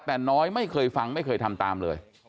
แต่น้อยไม่เคยฟังไม่เคยทำตามเลย